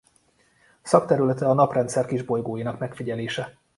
Szakterülete a Naprendszer kisbolygóinak megfigyelése.